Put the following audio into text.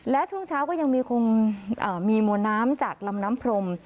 และช่วงเช้าก็ยังคงมีมวลน้ำจากลำน้ำพรม